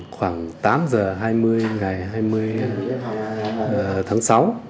khoảng tám giờ hai mươi ngày hai mươi tháng sáu